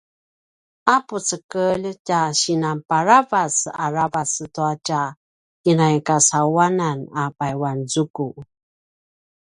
a pucekelj tja sinan paravac aravac tua tja kinai kacauwanan a payuanzuku